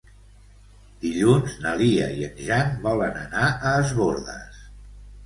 Dilluns na Lia i en Jan volen anar a Es Bòrdes.